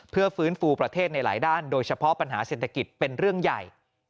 เพื่อฟื้นฟูประเทศในหลายด้านโดยเฉพาะปัญหาเศรษฐกิจเป็นเรื่องใหญ่